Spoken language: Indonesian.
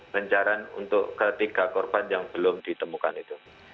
pencarian untuk ketiga korban yang belum ditemukan itu